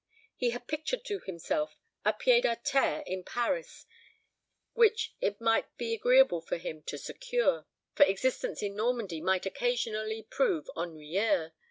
He had pictured to himself a pied à terre in Paris which it might be agreeable for him to secure, for existence in Normandy might occasionally prove ennuyeux.